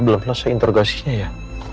belum selesai interogasinya ya